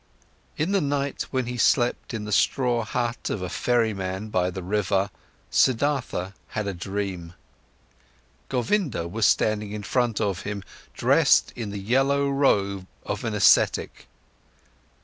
In the night when he slept in the straw hut of a ferryman by the river, Siddhartha had a dream: Govinda was standing in front of him, dressed in the yellow robe of an ascetic.